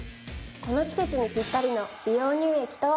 この季節にぴったりの美容乳液とは？